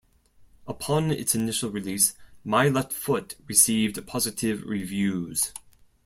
Upon its initial release, "My Left Foot" received positive reviews.